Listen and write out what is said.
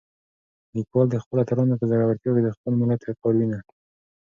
لیکوال د خپلو اتلانو په زړورتیا کې د خپل ملت وقار وینه.